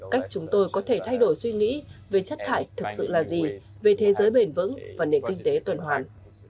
cách chúng tôi có thể thay đổi suy nghĩ về chất thải thực sự là gì về thế giới bền vững và nền kinh tế tuần hoàn